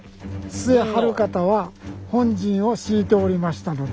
陶晴賢は本陣を敷いておりましたので